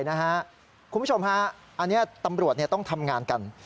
คุณผู้ชมฮะอันนี้ตำรวจต้องทำงานกัน